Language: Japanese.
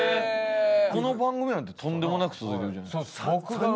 この番組なんてとんでもなく続いてるじゃないですか。